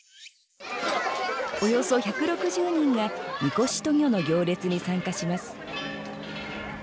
およそ１６０人が神輿渡御の行列に参加します。